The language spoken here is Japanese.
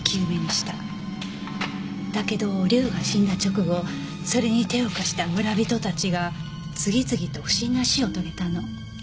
だけど竜が死んだ直後それに手を貸した村人たちが次々と不審な死を遂げたの。